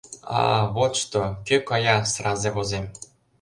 А-а, вот што: кӧ кая – сразе возем!..